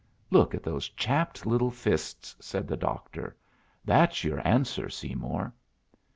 "Look at those chapped little fists," said the doctor. "That's your answer, Seymour!"